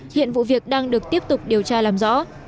hiện vụ việc đang được tiếp tục điều tra làm rõ